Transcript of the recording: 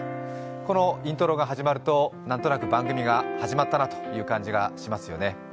このイントロが始まると、何となく番組が始まったなという感じがしますよね。